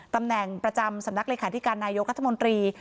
ตำแหน่งประจำสำนักเลขาธิการนายกรัฐมนตรี